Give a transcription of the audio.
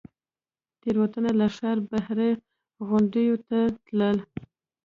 سرتېري له ښاره بهر غونډیو ته تلل